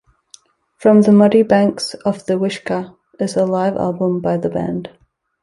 "From the Muddy Banks of the Wishkah" is a live album by the band.